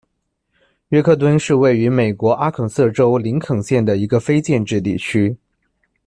约克敦是位于美国阿肯色州林肯县的一个非建制地区。